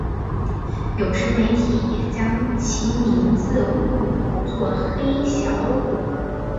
有时媒体也将其名字误作黑小虎。